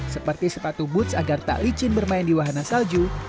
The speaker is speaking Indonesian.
seperti sepatu boots agar tak licin bermain di wahana salju